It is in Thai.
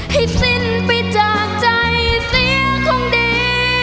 ให้สิ้นไปจากใจเสียคงดี